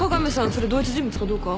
それ同一人物かどうか。